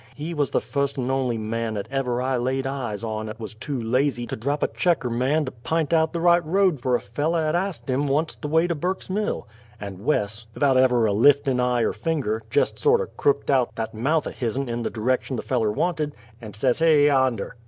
He wuz the fust and on'y man 'at ever I laid eyes on 'at wuz too lazy to drap a checker man to p'int out the right road fer a feller 'at ast him onc't the way to Burke's Mill; and Wes, 'ithout ever a liftin' eye er finger, jest sorto' crooked out that mouth o' his'n in the direction the feller wanted, and says: "_H yonder!